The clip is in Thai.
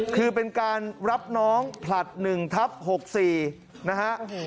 คือเป็นการรับน้องผลัด๑ทับ๖๔นะฮะ